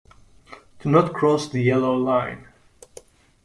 Do not cross the yellow line.